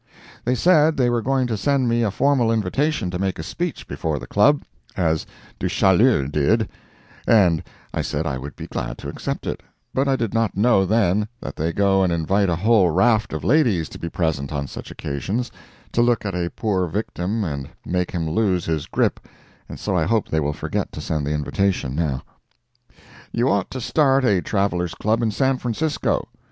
They said they were going to send me a formal invitation to make a speech before the Club, as Du Chaillu did, and I said I would be glad to accept it, but I did not know then that they go and invite a whole raft of ladies to be present on such occasions, to look at a poor victim and make him lose his grip, and so I hope they will forget to send the invitation, now. You ought to start a Travellers' Club in San Francisco.